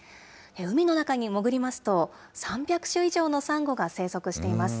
海の中に潜りますと、３００種以上のサンゴが生息しています。